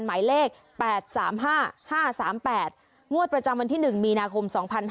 หมายเลข๘๓๕๕๓๘งวดประจำวันที่๑มีนาคม๒๕๕๙